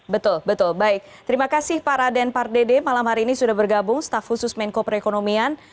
betul betul baik terima kasih pak raden pardede malam hari ini sudah bergabung staf khusus menko perekonomian